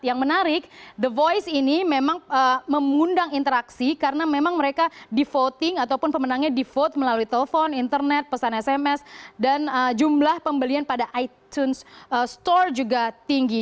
yang menarik the voice ini memang mengundang interaksi karena memang mereka di voting ataupun pemenangnya di vote melalui telepon internet pesan sms dan jumlah pembelian pada itunes store juga tinggi